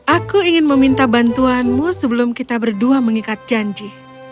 aku ingin meminta bantuanmu sebelum kita berdua mengikat janji